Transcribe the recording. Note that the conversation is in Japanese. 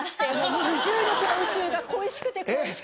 もう無重力の宇宙が恋しくて恋しくて。